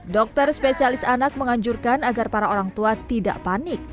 dokter spesialis anak menganjurkan agar para orang tua tidak panik